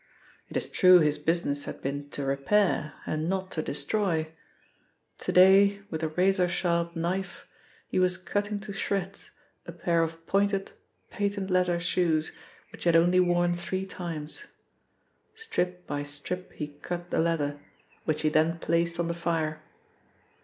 It is true his business had been to repair, and not to destroy. To day, with a razor sharp knife, he was cutting to shreds a pair of pointed patent leather shoes which he had only worn three times. Strip by strip he cut the leather, which he then placed on the fire.